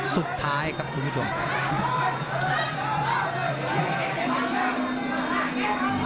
สุดท้ายครับคุณผู้ชม